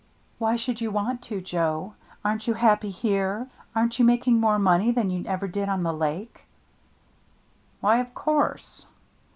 "Why should you want to, Joe? Aren't THE NEW MATE 6i you happy here? Aren't you making more money than you ever did on the Lake ?" "Why, of course."